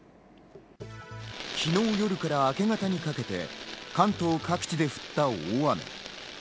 昨日、夜から明け方にかけて関東各地で降った大雨。